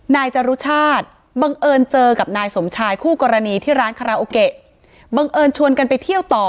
นายจรุชาติบังเอิญเจอกับนายสมชายคู่กรณีที่ร้านคาราโอเกะบังเอิญชวนกันไปเที่ยวต่อ